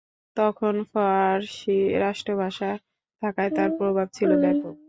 তখন ফারসি রাষ্ট্রভাষা থাকায় তার প্রভাব ছিল ব্যাপক।